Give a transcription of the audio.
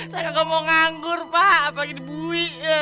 saya gak mau nganggur pak apalagi dibui